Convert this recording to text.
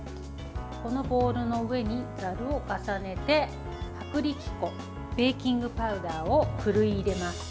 このボウルの上にざるを重ねて薄力粉、ベーキングパウダーをふるい入れます。